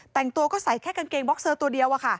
แต่งตัวก็ใส่แค่กางเกงบ็อกเซอร์ตัวเดียว